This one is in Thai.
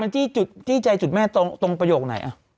มันที่ใจจุดแม่ตรงประโยคไหน